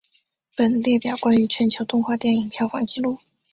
本列表关于全球动画电影票房纪录。